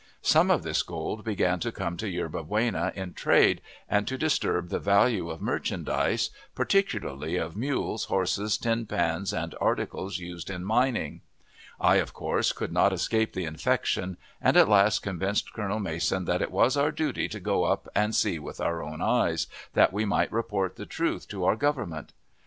Some of this gold began to come to Yerba Buena in trade, and to disturb the value of merchandise, particularly of mules, horses, tin pans, and articles used in mining: I of course could not escape the infection, and at last convinced Colonel Mason that it was our duty to go up and see with our own eyes, that we might report the truth to our Government.